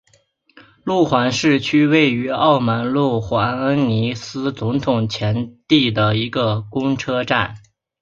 路环市区位于澳门路环恩尼斯总统前地的一个公车站。